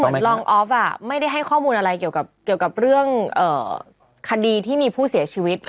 รองออฟไม่ได้ให้ข้อมูลอะไรเกี่ยวกับเรื่องคดีที่มีผู้เสียชีวิต